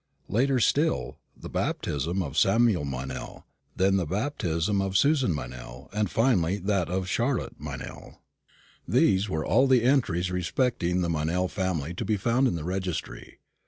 Later still, the baptism of Samuel Meynell; then the baptism of Susan Meynell; and finally, that of Charlotte Meynell. These were all the entries respecting the Meynell family to be found in the registry.